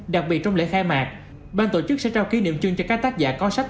đặc biệt trong lễ khai mạc ban tổ chức sẽ trao kỷ niệm chuyên cho các tác giả có sách